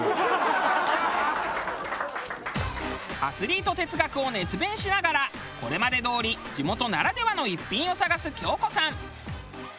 アスリート哲学を熱弁しながらこれまでどおり地元ならではの逸品を探す京子さん。